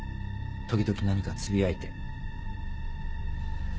時々何かつぶやいて。